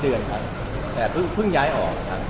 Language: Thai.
เดือนครับแต่เพิ่งย้ายออกครับ